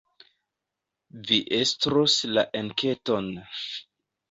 Vi estros la enketon.